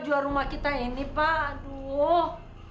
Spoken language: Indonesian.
jual rumah kita ini pak aduh